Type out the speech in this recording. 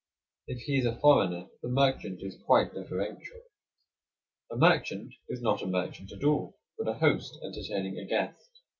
If he is a foreigner, the merchant is quite deferential. A merchant is not a merchant at all, but a host entertaining a guest.